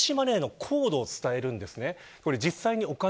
電子マネーのコードを伝えるんです。